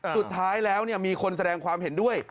สุดท้ายแล้วมีคนแสดงความเห็นด้วย